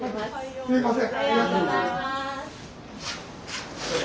すみません。